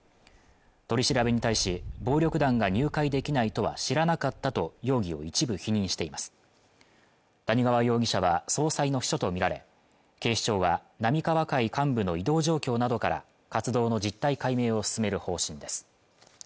取り調べに対し暴力団が入会できないとは知らなかったと容疑を一部否認しています谷川容疑者は総裁の秘書とみられ警視庁は浪川会幹部の移動状況などから活動の実態解明を進める方針です